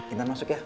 intan masuk ya